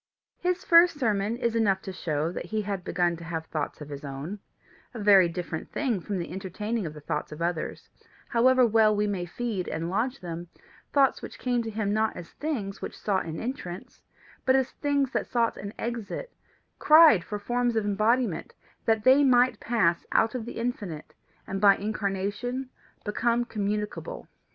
His first sermon is enough to show that he had begun to have thoughts of his own a very different thing from the entertaining of the thoughts of others, however well we may feed and lodge them thoughts which came to him not as things which sought an entrance, but as things that sought an exit cried for forms of embodiment that they might pass out of the infinite, and by incarnation become communicable.